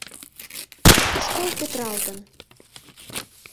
Школ петыралтын.